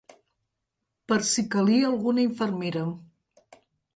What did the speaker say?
...per si calia alguna infermera